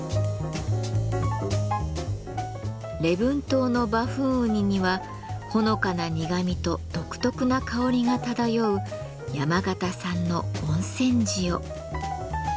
礼文島のバフンウニにはほのかな苦みと独特な香りが漂う山形産の「温泉塩」。